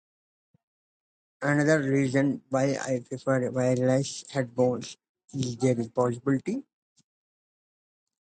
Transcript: Another reason why I prefer wireless headphones is their portability.